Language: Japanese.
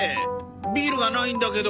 ビールがないんだけど。